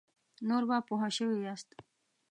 نور به پوه شوي یاست.